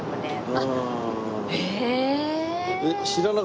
あっへえ！